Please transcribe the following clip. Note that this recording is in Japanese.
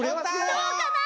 どうかな？